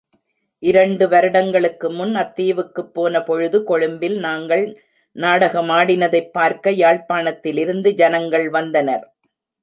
இரண்டு வருடங்களுக்கு முன் அத்தீவுக்குப் போனபொழுது, கொழும்பில் நாங்கள் நாடகமாடினதைப் பார்க்க, யாழ்ப்பாணத்திலிருந்து ஜனங்கள் வந்தனர்.